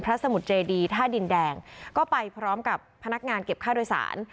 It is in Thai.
สมุทรเจดีท่าดินแดงก็ไปพร้อมกับพนักงานเก็บค่าโดยสาร